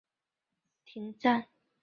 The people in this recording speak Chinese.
外交则可同其他势力结盟或停战。